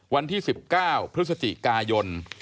วันที่๑๙พฤศจิกายน